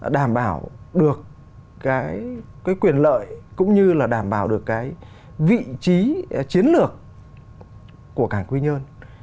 đảm bảo được cái quyền lợi cũng như là đảm bảo được cái vị trí chiến lược của cảng quy nhơn